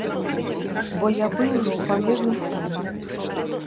Бо я быў ужо ў памежным стане.